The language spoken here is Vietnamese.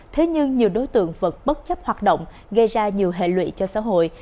thế nhưng nhiều đối tượng vẫn bất chấp hoạt động gây ra nhiều hệ lụy cho xã hội